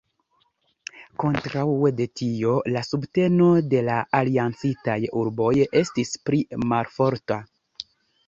Kontraŭe de tio la subteno de la aliancitaj urboj estis pli malforta.